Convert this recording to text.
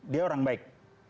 dia orang baik